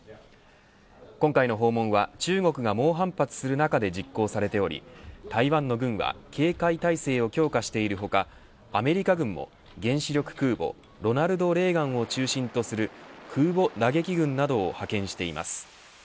今回の訪問は、中国が猛反発する中で実行されており台湾の軍は警戒態勢を強化している他アメリカ軍も原子力空母ロナルド・レーガンを中心とする空母打撃群などを派遣しています。